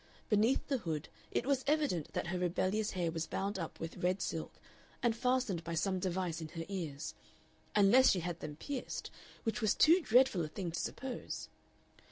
Beneath the hood it was evident that her rebellious hair was bound up with red silk, and fastened by some device in her ears (unless she had them pierced, which was too dreadful a thing to suppose!)